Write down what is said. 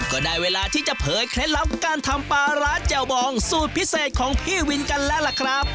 ก็ได้เวลาที่จะเผยเคล็ดลับการทำปลาร้าแจ่วบองสูตรพิเศษของพี่วินกันแล้วล่ะครับ